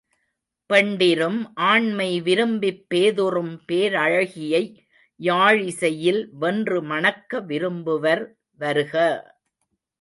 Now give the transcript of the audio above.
பெண்டிரும் ஆண்மை விரும்பிப் பேதுறும் பேரழகியை யாழிசையில் வென்று மணக்க விரும்புபவர் வருக!